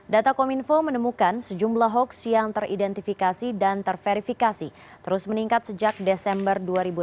data kominfo menemukan sejumlah hoax yang teridentifikasi dan terverifikasi terus meningkat sejak desember dua ribu enam belas